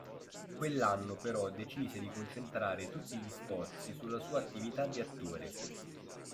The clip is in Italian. Quell'anno, però, decise di concentrare tutti gli sforzi sulla sua attività di attore.